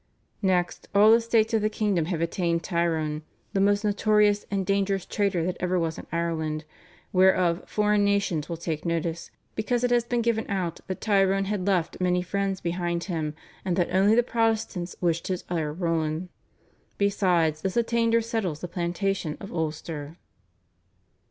Next, all the states of the kingdom have attainted Tyrone, the most notorious and dangerous traitor that ever was in Ireland, whereof foreign nations will take notice, because it has been given out that Tyrone had left many friends behind him, and that only the Protestants wished his utter ruin. Besides, this attainder settles the Plantation of Ulster."